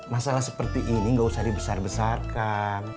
masalah seperti ini gak usah dibesar besarkan